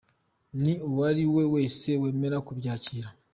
Ni uwari we wese wemera kubyakira.